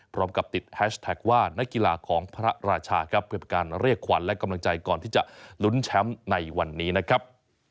พร้อมกับติดแฮชแท็กว่านักกีฬาของพระราชาครับเพื่อเป็นการเรียกขวัญและกำลังใจก่อนที่จะลุ้นแชมป์ในวันนี้นะครับ